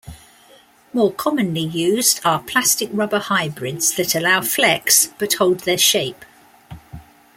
More commonly used are plastic-rubber hybrids that allow flex but hold their shape.